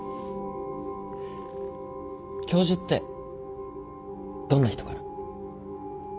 教授ってどんな人かな？